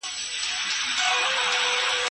دې نقيب راوړي دې تر گور باڼه